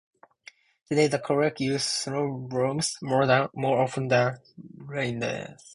Today the Koryak use snowmobiles more often than reindeer.